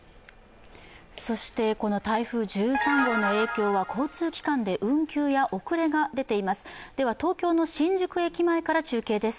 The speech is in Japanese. そして、この台風１３号の影響は交通機関で運休や遅れが出ています。